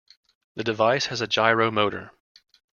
The device has a gyro motor.